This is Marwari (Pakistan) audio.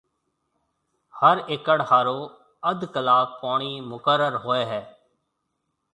هر ايڪڙ هارون اڌ ڪلاڪ پوڻِي مقرر هوئي هيَ۔